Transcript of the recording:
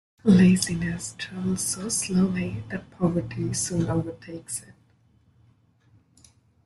Laziness travels so slowly that poverty soon overtakes it.